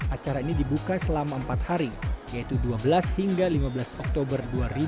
acara ini dibuka selama empat hari yaitu dua belas hingga lima belas oktober dua ribu dua puluh